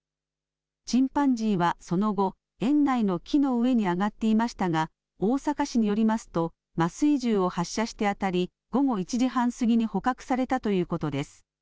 チンパンジーはその後、園内の木の上に上がっていましたが大阪市によりますと麻酔銃を発射して当たり、午後１時半過ぎに捕獲されたということです。